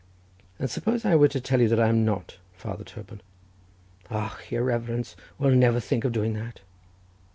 "And suppose I were to tell you that I am not Father Toban?" "Och, your reverence will never think of doing that."